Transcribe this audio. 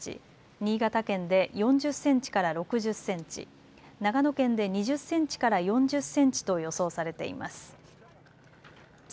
新潟県で４０センチから６０センチ長野県で２０センチから４０センチと予想されています。